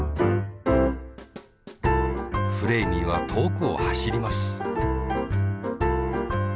フレーミーはとおくをはしります